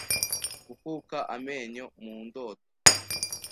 Gukuka amenyo mu ndoto